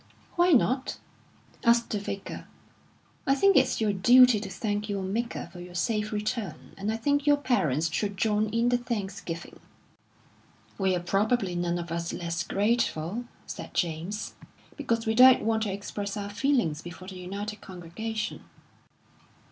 "Why not?" asked the Vicar, "I think it's your duty to thank your Maker for your safe return, and I think your parents should join in the thanksgiving." "We're probably none of us less grateful," said James, "because we don't want to express our feelings before the united congregation."